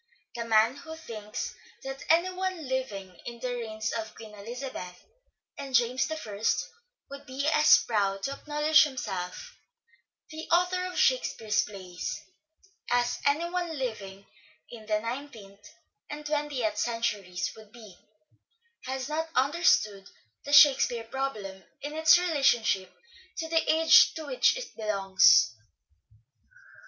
The man who thinks that any one living in the reigns of Queen Elizabeth and James I would be as proud to acknowledge himself the author of "Shakespeare's" plays as any one living in the nineteenth and twentieth centuries would be, has not understood the Shakespeare problem in its relationship to the age to which it belongs.